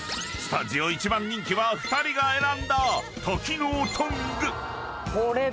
［スタジオ一番人気は２人が選んだ多機能トング］